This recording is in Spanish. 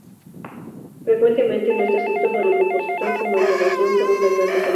Frecuentemente no está escrito por el compositor, como entonación, por un cantante solista.